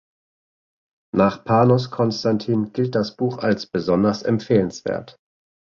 Nach Panos Konstantin gilt das Buch als „besonders empfehlenswert“.